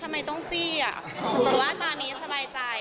ทำไมต้องจี้อ่ะว่าตอนนี้สบายใจ